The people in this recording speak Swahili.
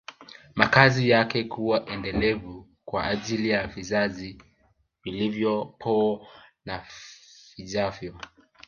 Makazi yake kuwa endelevu kwa ajili ya vizazi vilivyopo na vijavyo